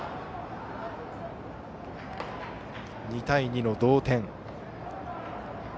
２対２の同点。